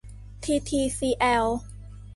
ทีทีซีแอล